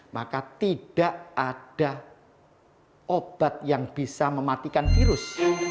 maka tidak ada obat yang bisa mematikan virus